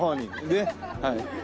ねっはい。